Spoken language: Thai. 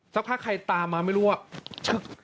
สักพักใครตามมาไม่รู้ว่า